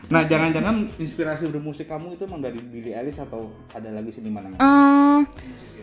nah jangan jangan inspirasi dari musik kamu itu emang dari billie eilish atau ada lagi di sini mana mana